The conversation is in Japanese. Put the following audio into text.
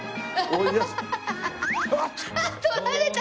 あっ取られた！